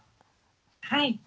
はい。